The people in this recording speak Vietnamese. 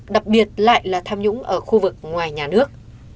đặc biệt lại là tham nhũng ở khu vực ngoài nhà nước